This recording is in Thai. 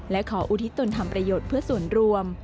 และขออุทิศตนทำประโยชน์เพื่อส่วนรวม